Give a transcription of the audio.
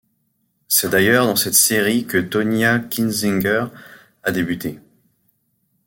C'est d'ailleurs dans cette série que Tonya Kinzinger a débuté.